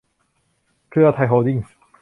เครือไทย โฮลดิ้งส์